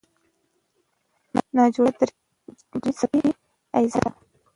ناجوړتیا درې څپه ایزه ده.